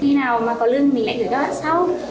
khi nào mà có lương mình lại gửi các bạn sau